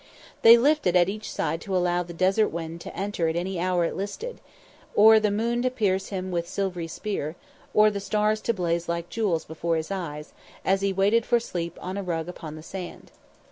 They lifted at each side to allow the desert wind to enter at any hour it listed; or the moon to pierce him with silvery spear; or the stars to blaze like jewels before his eyes, as he waited for sleep on a rug upon the sand.